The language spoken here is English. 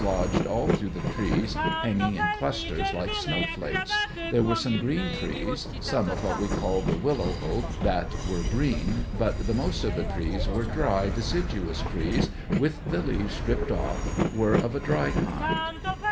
lodged all through the trees, hanging in clus ters like snowflakes ; there were some green trees; some of what we call the willow oak that were green, but the most of the trees were dry, deciduous trees, with the leaves stripped off, were of a dry kind.